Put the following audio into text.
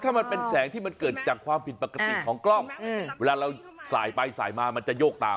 ถ้ามันเป็นแสงที่มันเกิดจากความผิดปกติของกล้องเวลาเราสายไปสายมามันจะโยกตาม